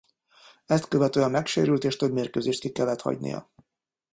Ezt követően megsérült és több mérkőzést ki kellett hagynia.